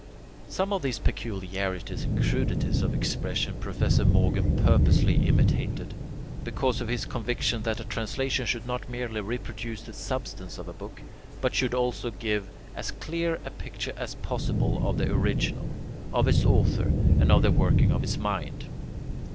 Some of these peculiarities and crudities of expression Professor Morgan purposely imitated, because of his conviction that a translation should not merely reproduce the substance of a book, but should also give as clear a picture as possible of the original, of its author, and of the working of his mind.